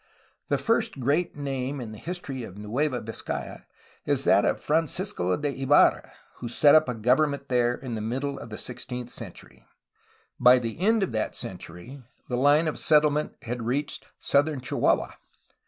The first great name in the history of Nueva Vizcaya is that of Francisco de Ibarra, who set up a government there in the middle of the sixteenth century. By the end of that century the line of settlement had reached southern Chihuahua.